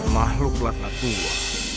makhluk latah tua